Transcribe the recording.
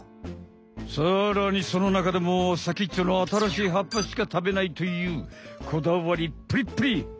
さらにそのなかでも先っちょのあたらしいはっぱしかたべないというこだわりっぷりぷり！